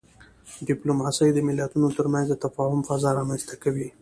ډيپلوماسي د ملتونو ترمنځ د تفاهم فضا رامنځته کوي.